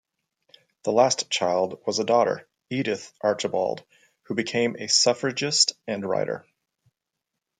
The last child was a daughter, Edith Archibald, who became a suffragist and writer.